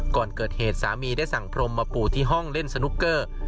ก่อนเกิดเหตุสามีได้สั่งพรมมาปู่ที่ห้องเล่นสนุกเกอร์